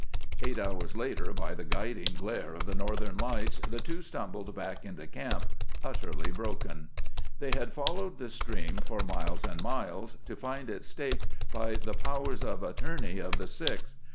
Eight hours later, by the guiding glare of the Northern Lights, the two stumbled back into camp, utterly broken. They had followed the stream for miles and miles to find it staked by the powers of attorney of the six.